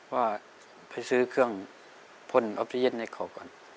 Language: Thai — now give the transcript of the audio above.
ว่าไปซื้อเครื่องพ่นออฟเซเย็นท์ในข่อก่อน